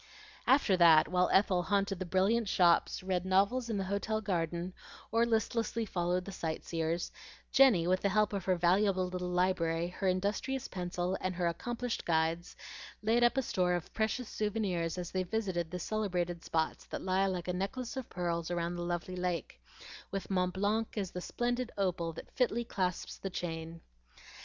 After that, while Ethel haunted the brilliant shops, read novels in the hotel garden, or listlessly followed the sight seers, Jenny, with the help of her valuable little library, her industrious pencil, and her accomplished guides, laid up a store of precious souvenirs as they visited the celebrated spots that lie like a necklace of pearls around the lovely lake, with Mont Blanc as the splendid opal that fitly clasps the chain.